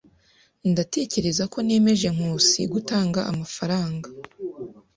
Ndatekereza ko nemeje Nkusi gutanga amafaranga.